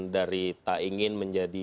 dari tak ingin menjadi